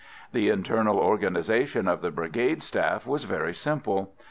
The internal organisation of the Brigade Staff was very simple.